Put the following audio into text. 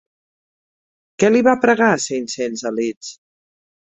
Què li va pregar Saint-Saëns a Liszt?